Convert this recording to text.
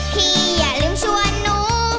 พี่อย่าลืมชวนนู